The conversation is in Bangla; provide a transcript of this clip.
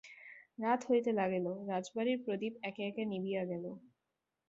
রাত হইতে লাগিল, রাজবাড়ির প্রদীপ একে একে নিবিয়া গেল।